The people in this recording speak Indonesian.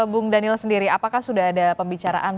bung daniel sendiri apakah sudah ada pembicaraan